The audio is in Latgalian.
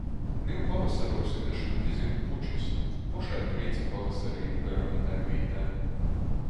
Niu pavasarūs ite šmuki zīd pučis. Pošai prīca pavasarī īt garom itai vītai.